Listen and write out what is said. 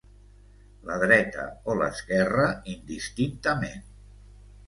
La dreta o l'esquerra indistintament.